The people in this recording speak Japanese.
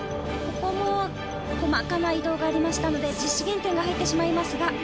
ここも細かな移動がありましたので実施減点が入ってしまいますが。